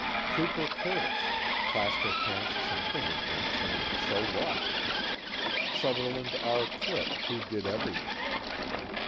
Trooper Curtis, plaster casts and fingerprints and so what? Sutherland R. Clipp who did everything.